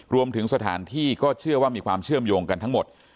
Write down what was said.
รวมถึงสถานที่ก็เชื่อว่ามีความเชื่อมโยงกันทั้งหมด